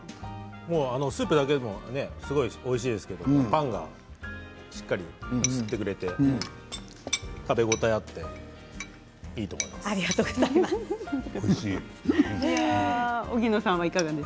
スープだけでもおいしいですからパンがしっかり吸ってくれて食べ応えがあってありがとうございます。